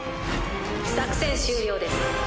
作戦終了です。